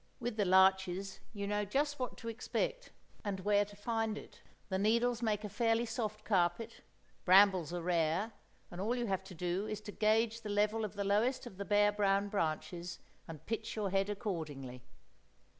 With the larches you know just what to expect and where to find it. The needles make a fairly soft carpet, brambles are rare, and all you have to do is to gauge the level of the lowest of the bare brown branches, and pitch your head accordingly.